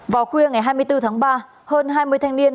vào khuya ngày hai mươi bốn tháng ba hơn hai mươi thanh niên